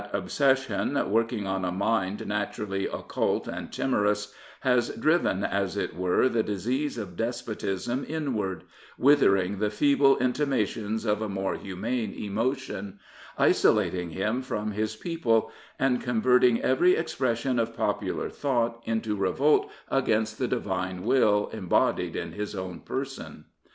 That obsession, working on a mind naturally occult and timorous, has driven, as it were, the disease of despotism inward, withering the feeble intimations of a more humane emotion, isolating him from his people, and converting every expression of popular thought into revolt against the divine will embodied in his own person.